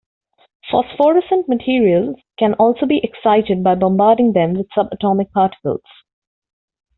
Phosphorescent materials can also be excited by bombarding them with subatomic particles.